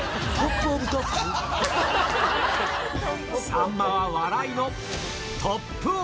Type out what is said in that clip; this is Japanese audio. トップオブトップ。